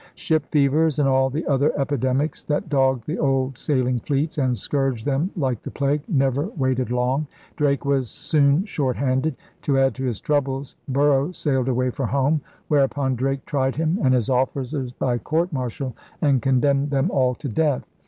Ship fevers and all the other epidemics that dogged the old sailing fleets and scourged them like the plague never waited long. Drake was soon short handed. To add to his troubles. Bor ough sailed away for home; whereupon Drake tried him and his oflBcers by court martial and condemned them all to death.